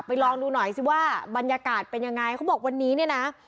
ลองดูหน่อยสิว่าบรรยากาศเป็นยังไงเขาบอกวันนี้เนี่ยนะ